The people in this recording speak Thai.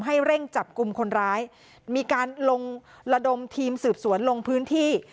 ให้เร่งจับกลุ่มคนร้ายมีการลงระดมทีมสืบสวนลงพื้นที่